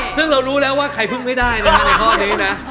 ซึ่งเรารู้แล้วว่าใครพึ่งไม่ได้นะฮะในข้อนี้นะ